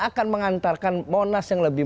akan mengantarkan monas yang lebih